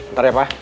ntar ya pak